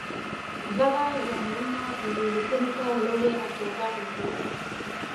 دغه ژانرونه یوې لیکنې ته لوری او چوکاټ ورکوي.